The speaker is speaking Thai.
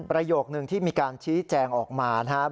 ประโยคนึงที่มีการชี้แจงออกมานะครับ